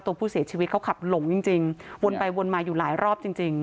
ตัวผู้เสียชีวิตเขาขับหลงจริงจริงวนไปวนมาอยู่หลายรอบจริงจริง